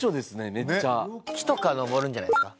めっちゃ木とかのぼるんじゃないですか？